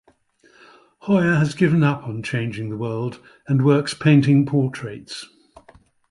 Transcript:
Hoyer has given up on changing the world, and works painting portraits.